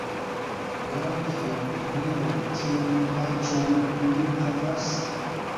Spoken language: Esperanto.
Laŭ via opinio, kian aĝon mi havas?